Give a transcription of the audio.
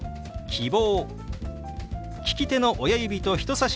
「希望」。